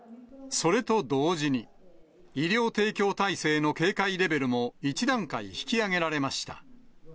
それと同時に、医療提供体制の警戒レベルも、１段階引き上げられました。